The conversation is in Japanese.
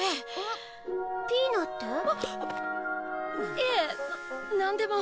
いえななんでも。